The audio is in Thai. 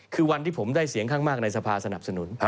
คือวันที่ผมได้เสียงข้างมากในสภาสนับสนุน